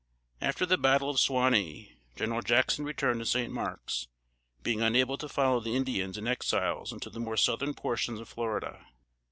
After the battle of Suwanee, General Jackson returned to St. Marks, being unable to follow the Indians and Exiles into the more southern portions of Florida.